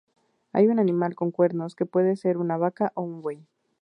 Hay un animal con cuernos, que puede ser una vaca o un buey.